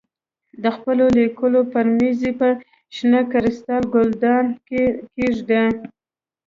د خپلو لیکلو پر مېز یې په شنه کریسټال ګلدان کې کېږدې.